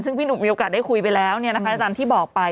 ซึ่งพี่หนุ่มมีโอกาสได้คุยไปแล้วตามที่บอกไป